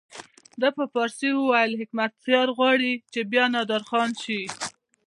ده په فارسي وویل حکمتیار غواړي چې بیا نادرخان شي.